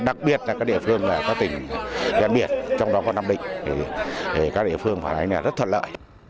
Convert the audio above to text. đặc biệt là các địa phương có tỉnh gian biệt trong đó có nam định thì các địa phương phải lấy rất thuận lợi